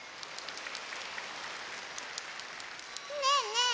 ねえねえ